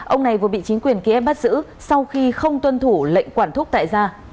ông này vừa bị chính quyền ký ép bắt giữ sau khi không tuân thủ lệnh quản thúc tại gia